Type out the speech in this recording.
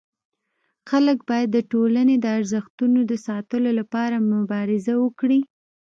خلک باید د ټولني د ارزښتونو د ساتلو لپاره مبارزه وکړي.